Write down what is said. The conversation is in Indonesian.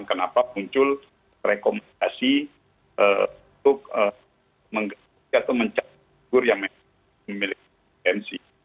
kenapa muncul rekomendasi untuk mencapai figur yang memang memiliki kompetensi